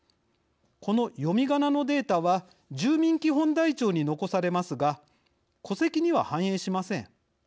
この読みがなのデータは住民基本台帳に残されますが戸籍には反映しません。